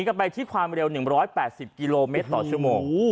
กลับไปที่ความเร็วหนึ่งร้อยแปดสิบกิโลเมตรต่อชั่วโมงโอ้โห